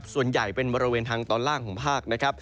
ส่วนใหญ่เป็นบริเวณทางตอนล่างของภาคนะครับ